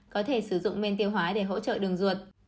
có thể sử dụng men tiêu hóa để hỗ trợ đường ruột